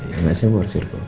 yang biasa gue harus iruh